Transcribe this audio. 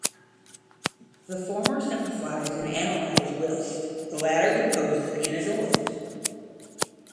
The former simplifies and analyzes, whilst, the latter composes and adorns.